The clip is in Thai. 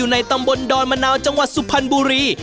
ในตำบลดอนมะนาวจังหวัดสุพรรณบุรี